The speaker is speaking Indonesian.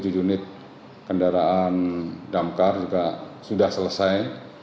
tujuh unit kendaraan damkar juga sudah selesai